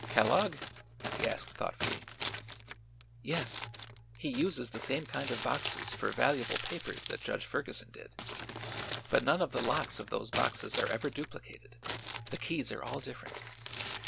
"Kellogg?" he asked thoughtfully. "Yes; he uses the same kind of boxes for valuable papers that Judge Ferguson did. But none of the locks of those boxes are ever duplicated; the keys are all different.